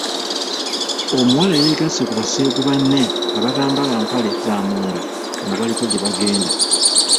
Omuwala yeggase ku baseegu banne abatambala mpale za munda nga baliko je bagenda.